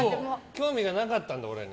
興味がなかったんだ、俺に。